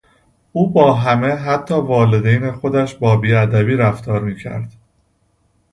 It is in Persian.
او با همه حتی والدین خودش با بیادبی رفتار میکرد.